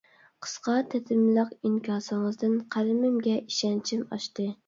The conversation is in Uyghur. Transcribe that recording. قىسقا تېتىملىق ئىنكاسىڭىزدىن قەلىمىمگە ئىشەنچىم ئاشتى.